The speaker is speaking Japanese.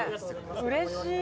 うれしい！